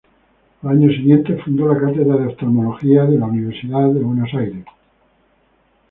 Al año siguiente fundó la cátedra de oftalmología de la Universidad de Buenos Aires.